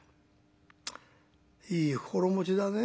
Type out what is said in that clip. いい心持ちだね。